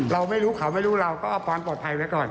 เราไม่รู้เขาไม่รู้เราก็เอาความปลอดภัยไว้ก่อน